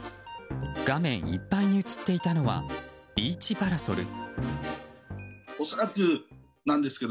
画面いっぱいに映っていたのはビーチパラソル。